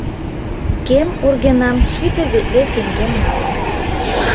Кем ургенам шӱдӧ витле теҥгем налын.